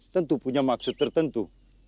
tentu punya maksud tertentu